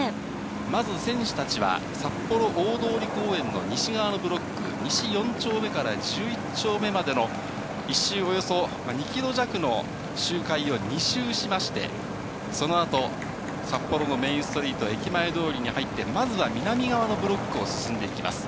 まず選手たちは、札幌大通公園の西側のブロック、西４丁目から１１丁目までの１周およそ２キロ弱の周回を２周しまして、そのあと、札幌のメインストリート、駅前通に入って、まずは南側のブロックを進んでいきます。